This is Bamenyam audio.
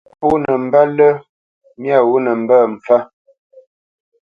Pó nə mbə́ lə́ myâ wǒ nə mbə́ mpfə́.